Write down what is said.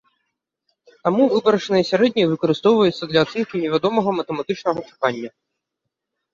Таму выбарачнае сярэдняе выкарыстоўваецца для ацэнкі невядомага матэматычнага чакання.